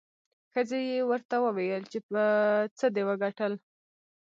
ښځې یې ورته وویل چې په څه دې وګټل؟